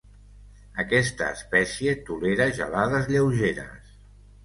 Aquesta espècie tolera gelades lleugeres.